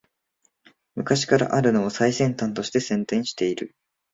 昔からあるのを最先端として宣伝してる